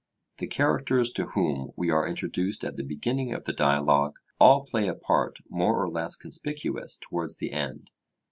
The characters to whom we are introduced at the beginning of the Dialogue all play a part more or less conspicuous towards the end.